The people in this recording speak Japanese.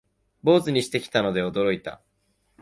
坊主にしてきたので驚いた